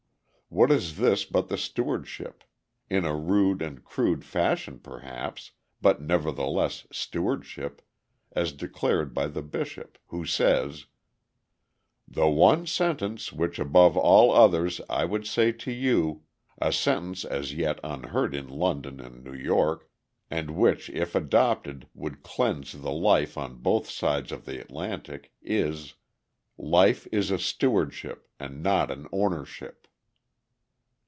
What is this but the stewardship in a rude and crude fashion perhaps, but nevertheless stewardship as declared by the bishop, who says: "The one sentence, which above all others I would say to you, a sentence as yet unlearned in London and New York, and which if adopted would cleanse the life on both sides of the Atlantic is life is a stewardship, and not an ownership.